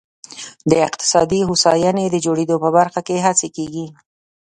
د اقتصادي هوساینې د جوړېدو په برخه کې هڅې کېږي.